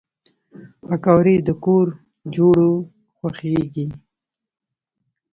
پکورې د کور جوړو خوښېږي